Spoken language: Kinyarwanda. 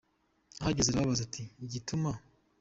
Ahageze arababaza ati “Igituma.